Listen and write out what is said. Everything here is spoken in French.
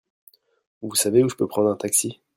Vous savez où je peux prendre un taxi ?